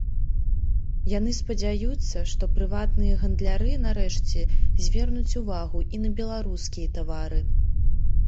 Яны спадзяюцца, што прыватныя гандляры, нарэшце, звернуць увагу і на беларускія тавары.